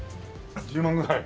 １０万ぐらい？